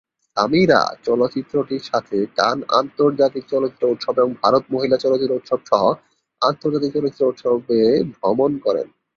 সামিরা চলচ্চিত্রটির সাথে কান আন্তর্জাতিক চলচ্চিত্র উৎসব এবং ভারত মহিলা চলচ্চিত্র উৎসব সহ আন্তর্জাতিক চলচ্চিত্র উৎসবে ভ্রমণ করেন।